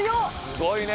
すごいね！